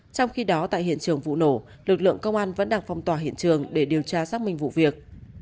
trong khi đó tại hiện trường vụ nổ lực lượng công an vẫn đang phong tỏa hiện trường để điều tra xác minh vụ việc